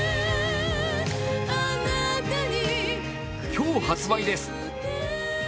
今日発売です。